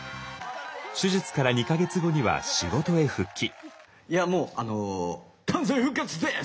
手術から２か月後には仕事へ復帰。